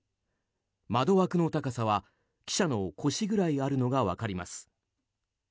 窓枠の高さは記者の腰ぐらいあるのが分かります。